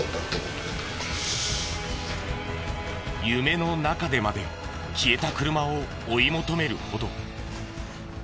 夢の中でまで消えた車を追い求めるほど。